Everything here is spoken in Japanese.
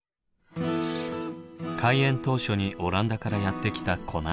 開園当初にオランダからやって来たコナツ３３歳。